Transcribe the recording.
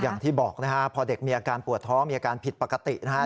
อย่างที่บอกนะฮะพอเด็กมีอาการปวดท้องมีอาการผิดปกตินะฮะ